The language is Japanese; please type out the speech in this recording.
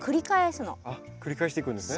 繰り返していくんですね。